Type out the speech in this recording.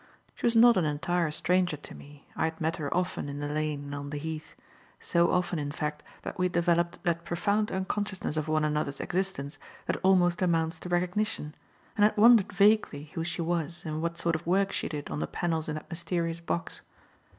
She was not an entire stranger to me. I had met her often in the lane and on the Heath so often in fact that we had developed that profound unconsciousness of one another's existence that almost amounts to recognition and had wondered vaguely who she was and what sort of work she did on the panels in that mysterious box.